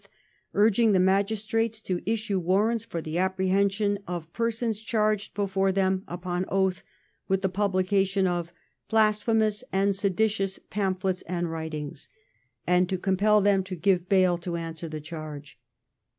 27th) urging the Magistrates to issue warrants for the appre hension of persons charged before them upon oath with the publi y> cation of "blasphemous and seditious pamphlets and writings/'yA and to compel them to give bail to answer the charge.